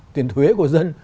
tiền thuế của dân